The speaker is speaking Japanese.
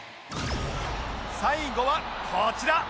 最後はこちら！